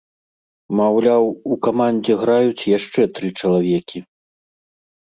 Маўляў, у камандзе граюць яшчэ тры чалавекі.